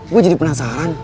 gue jadi penasaran